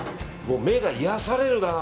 目が癒やされるな。